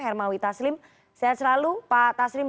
hermawi taslim sehat selalu pak taslim